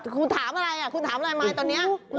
คุณถามอะไรคุณถามอะไรไหมตอนนี้